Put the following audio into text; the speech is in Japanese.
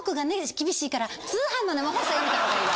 から通販の生放送やめた方がいいわ。